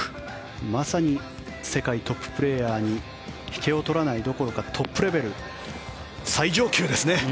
まさに世界トッププレーヤーに引けを取らないどころかトップレベル、最上級ですね。